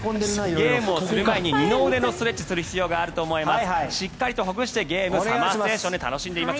ゲームをする前に二の腕のストレッチをする必要があると思います。